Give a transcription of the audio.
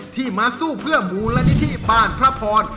ที่มาสู้เพื่อมูลนิธิบ้านพระพร